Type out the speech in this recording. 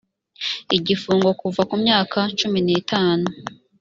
igifungo kuva ku myaka cumi n itanu